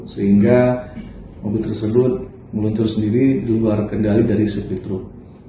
sehingga mobil tersebut meluncur sendiri di luar kendali dari sopi truk